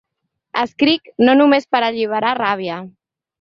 Escric no només per alliberar ràbia.